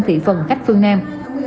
thị phần khách phương nam